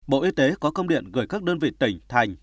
bộ y tế có công điện gửi các đơn vị tỉnh thành